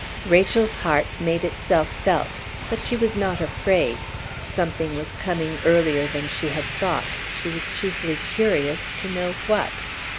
Rachel's heart made itself felt; but she was not afraid. Something was coming earlier than she had thought; she was chiefly curious to know what.